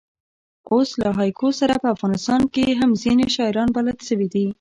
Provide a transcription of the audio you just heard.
اوس له هایکو سره په افغانستان کښي هم ځیني شاعران بلد سوي دي.